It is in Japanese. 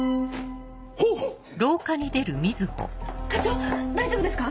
ほっ⁉課長大丈夫ですか？